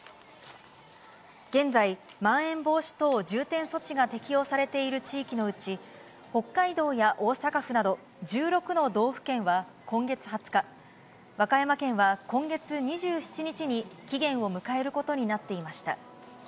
現在、まん延防止等重点措置が適用されている地域のうち、北海道や大阪府など１６の道府県は今月２０日、和歌山県は今月２７日に期限を迎えることになっていました。